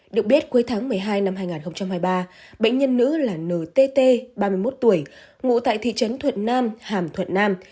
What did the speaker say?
được biết cuối tháng một mươi hai năm hai nghìn hai mươi ba bệnh nhân nữ là ntt ba mươi một tuổi ngụ tại thị trấn thuận nam hàm thuận nam